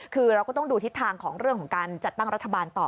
คือเราก็ต้องดูทิศทางของเรื่องของการจัดตั้งรัฐบาลต่อ